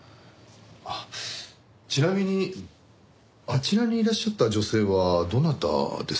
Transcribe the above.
あっちなみにあちらにいらっしゃった女性はどなたですか？